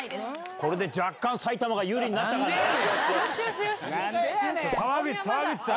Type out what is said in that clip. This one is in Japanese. これで若干埼玉が有利になっなんでやねん？